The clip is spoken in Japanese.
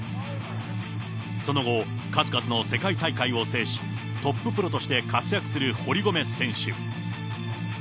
その後、数々の世界大会を制し、トッププロとして活躍する堀米選手。